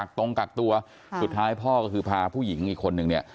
ตรงกักตัวสุดท้ายพ่อก็คือพาผู้หญิงอีกคนนึงเนี่ย